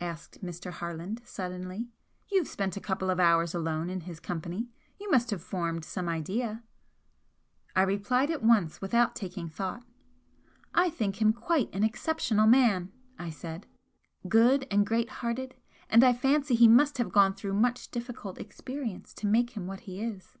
asked Mr. Harland, suddenly "You've spent a couple of hours alone in his company, you must have formed some idea." I replied at once, without taking thought. "I think him quite an exceptional man," I said "Good and great hearted, and I fancy he must have gone through much difficult experience to make him what he is."